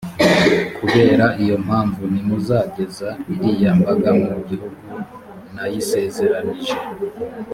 kubera iyo mpamvu ntimuzageza iriya mbaga mu gihugu nayisezeranije.